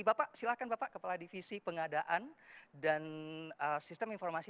bapak silahkan bapak kepala divisi pengadaan dan sistem informasi